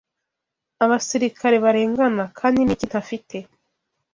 Abasirikare barengana kandi niki ntafite